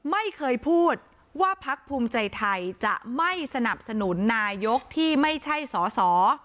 ไม่เคยพูดว่าพักภูมิใจไทยจะไม่สนับสนุนนายกที่ไม่ใช่สอสอ